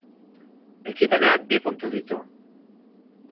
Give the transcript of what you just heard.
Ekimenak bi puntu ditu.